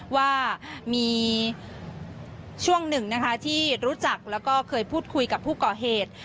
ว่ามีช่วงหนึ่งนะคะที่รู้จักแล้วก็เคยพูดคุยกับผู้ก่อเหตุ